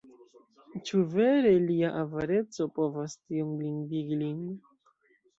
Ĉu vere lia avareco povas tiom blindigi lin?